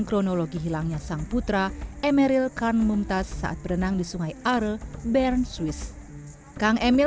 kronologi hilangnya sang putra emeril khan mumtaz saat berenang di sungai are bern swiss kang emil